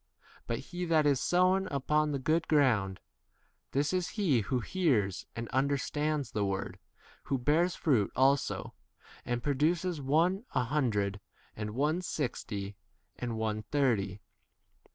But he that is sown upon the good ground — this is he who hears and under stands the word, who bears fruit also, and produces, one a hundred, and one sixty, and one thirty.